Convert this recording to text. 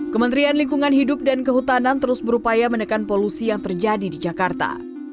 kementerian lingkungan hidup dan kehutanan terus berupaya menekan polusi yang terjadi di jakarta